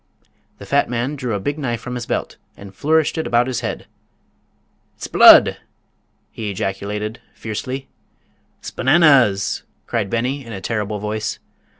The fat man drew a big knife from his belt and flourished it about his head. "S'blood!" he ejaculated, fiercely. "S'bananas!" cried Beni, in a terrible voice.